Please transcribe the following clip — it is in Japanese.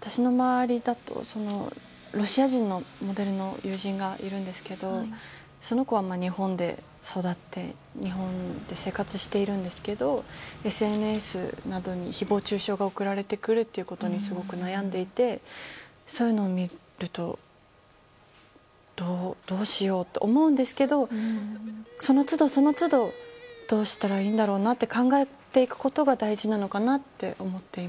私の周りだとロシア人のモデルの友人がいるんですけどその子は日本で育って日本で生活しているんですけどＳＮＳなどに誹謗中傷が送られてくることにすごく悩んでいてそういうのを見るとどうしようと思うんですけどその都度、その都度どうしたらいいんだろうなと考えていくことが大事なのかなって思っています。